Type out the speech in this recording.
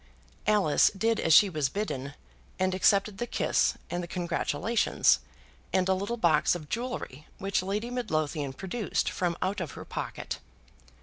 Alice did as she was bidden, and accepted the kiss and the congratulations, and a little box of jewellery which Lady Midlothian produced from out of her pocket.